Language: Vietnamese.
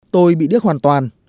tôi bị điếc hoàn toàn